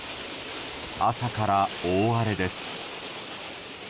朝から大荒れです。